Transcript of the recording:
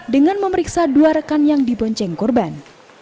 dengan memeriksa dua rekan yang dibonceng korban